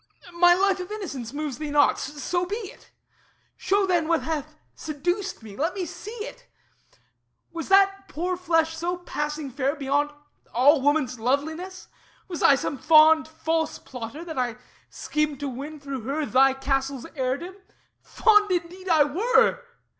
My life of innocence moves thee not; so be it. Show then what hath seduced me; let me see it. Was that poor flesh so passing fair, beyond All woman's loveliness? Was I some fond False plotter, that I schemed to win through her Thy castle's heirdom? Fond indeed I were!